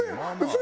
嘘！